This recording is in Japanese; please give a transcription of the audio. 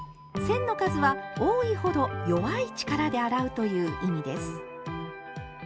線の数は多いほど弱い力で洗うという意味です。